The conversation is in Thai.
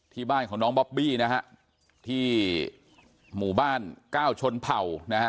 ที่บ้านของน้องบอบบี้นะฮะที่หมู่บ้านเก้าชนเผ่านะฮะ